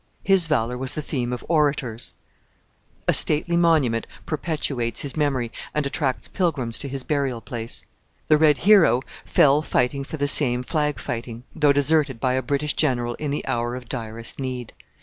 His valour was the theme of orators. A stately monument perpetuates his memory and attracts pilgrims to his burial place. The red hero fell fighting for the same flag fighting on, though deserted by a British general in the hour of direst need.